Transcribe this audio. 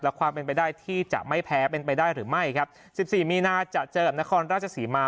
และความเป็นไปได้ที่จะไม่แพ้เป็นไปได้หรือไม่ครับสิบสี่มีนาจะเจอกับนครราชศรีมา